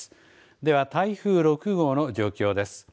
では、台風６号の状況です。